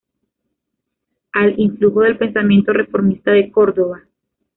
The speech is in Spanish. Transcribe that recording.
Al influjo del pensamiento reformista de Córdoba.